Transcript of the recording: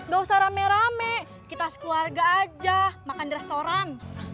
gak usah rame rame kita sekeluarga aja makan di restoran